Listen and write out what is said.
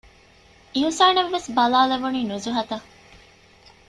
އިޙުސާނަށް ވެސް ބަލާލެވުނީ ނުޒުހަތަށް